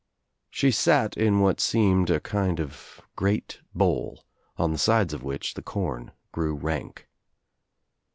She sat in what seemed a kind of great bowl on the sides of which the corn grew rank.